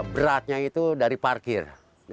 beratnya itu dari parkir